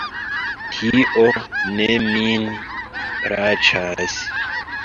Tio ne min plaĉas.